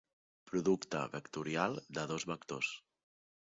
Producte vectorial de dos vectors.